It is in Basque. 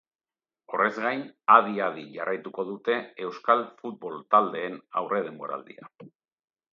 Horrez gain, adi-adi jarraituko dute euskal futbol taldeen aurre denboraldia.